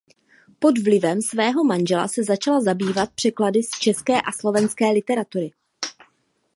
Pod vlivem svého manžela se začala zabývat překlady z české a slovenské literatury.